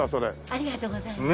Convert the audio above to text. ありがとうございます。